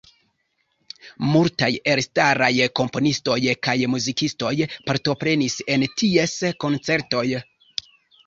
Multaj elstaraj komponistoj kaj muzikistoj partoprenis en ties koncertoj.